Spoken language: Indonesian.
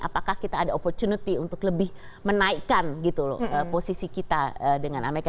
apakah kita ada opportunity untuk lebih menaikkan gitu loh posisi kita dengan amerika